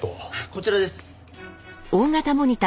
こちらです。